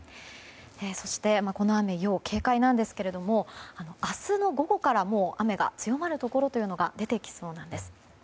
そして、この雨要警戒なんですが明日の午後から雨が強まるところが出てきそうです。